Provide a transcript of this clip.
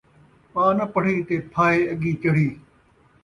پا نہ پڑھی تے پھاہے اڳیں چڑھی